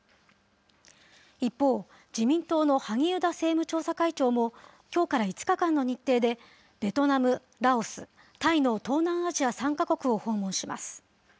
一方、自民党の萩生田政務調査会長も、きょうから５日間の日程でベトナム、ラオス、タイの東南アジア３か国を訪問します。